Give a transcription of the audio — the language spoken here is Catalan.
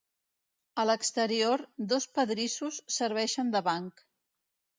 A l'exterior dos pedrissos serveixen de banc.